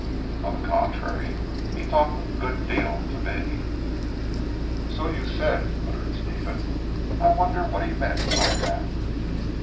"On the contrary he talked a good deal to me." "So you said," muttered Stephen. "I wonder what he meant by that?"